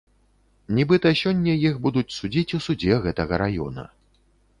Нібыта, сёння іх будуць судзіць у судзе гэтага раёна.